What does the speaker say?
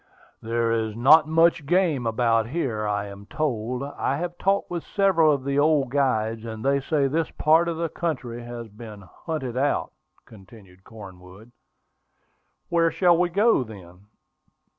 "There is not much game about here, I am told. I have talked with several of the old guides, and they say this part of the country has been hunted out," continued Cornwood. "Where shall we go, then?"